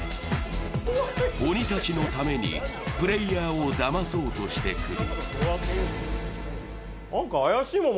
鬼たちのためにプレーヤーをだまそうとしてくる。